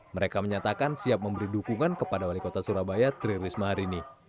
mereka menyatakan siap memberi dukungan kepada wali kota surabaya tri risma hari ini